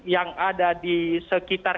yang ada di sekitar